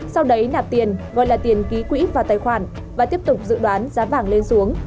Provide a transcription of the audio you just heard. sau đấy nạp tiền gọi là tiền ký quỹ vào tài khoản và tiếp tục dự đoán giá vàng lên xuống